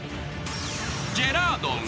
［ジェラードン。